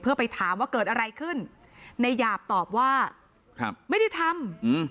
เพื่อไปถามว่าเกิดอะไรขึ้นในหยาบตอบว่าครับไม่ได้ทำ